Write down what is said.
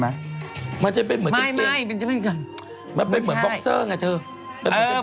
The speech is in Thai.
มันเป็นเหมือนบอคเซอร์ช่าง่ายเทิ่ม